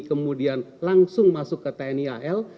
kemudian langsung masuk ke tni al